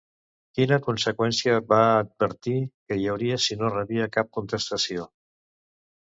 Quina conseqüència va advertir que hi hauria si no rebia cap contestació?